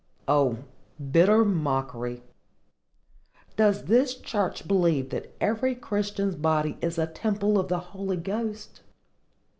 O, bitter mockery! Does this church believe that every Christian's body is a temple of the Holy Ghost?